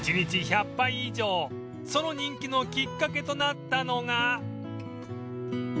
その人気のきっかけとなったのが